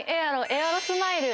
エアロスマイル。